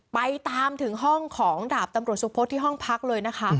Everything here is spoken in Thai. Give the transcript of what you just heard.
ไปตามถึงห้องของดาบตำรวจสุพธที่ห้องพักเลยนะคะ